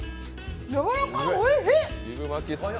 やわらかい、おいしい。